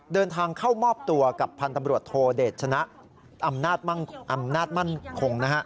เดินทางเข้ามอบตัวกับพันธ์ตำรวจโทเดชนะอำนาจมั่นคง